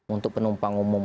untuk penumpang umum